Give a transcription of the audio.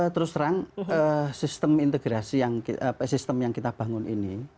terus terang sistem integrasi sistem yang kita bangun ini